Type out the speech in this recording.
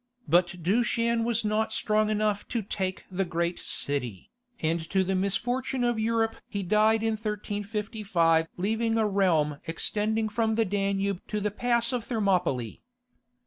But Dushan was not strong enough to take the great city, and to the misfortune of Europe he died in 1355 leaving a realm extending from the Danube to the pass of Thermopylae.